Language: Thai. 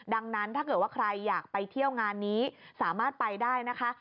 ดังนั้นถ้าเกิดว่าใครอยากไปเที่ยวงานนี้สามารถไปได้นะคะ